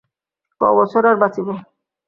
ক বছর আর বাঁচিব।